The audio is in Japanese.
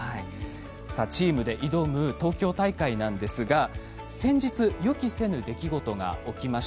チームで挑む東京大会なんですが先日予期せぬ出来事が起きました。